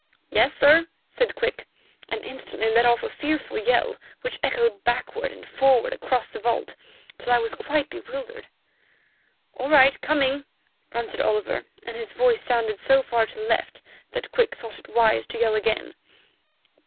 "Yes, sir," said Quick, and instantly let off a fearful yell, which echoed backward and forward across the vault till I was quite bewildered. "All right, coming," answered Oliver, and his voice sounded so far to the left that Quick thought it wise to yell again.